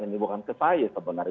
ini bukan ke saya sebenarnya